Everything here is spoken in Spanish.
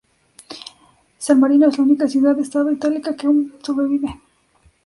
San Marino es la única ciudad-estado itálica que aún sobrevive.